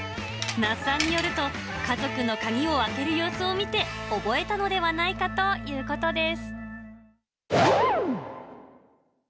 奈須さんによると、家族の鍵を開ける様子を見て覚えたのではないかということです。